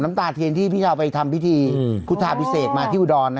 ตาเทียนที่พี่ชาวไปทำพิธีพุทธาพิเศษมาที่อุดร